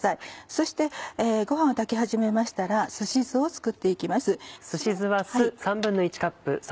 そしてご飯を炊き始めましたらすし酢を作っていきます。